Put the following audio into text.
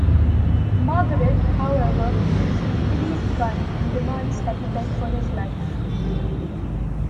Margaret, however, produces Billy's gun and demands that he beg for his life.